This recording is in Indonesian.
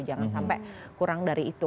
jangan sampai kurang dari itu